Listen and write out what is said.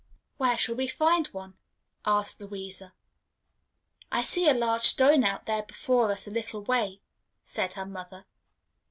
"Where shall we find one?" asked Louisa. "I see a large stone out there before us a little way," said her mother.